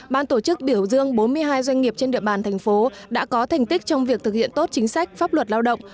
ban tổ chức biểu dương bốn mươi hai doanh nghiệp trên địa bàn thành phố đã có thành tích trong việc thực hiện tốt chính sách pháp luật lao động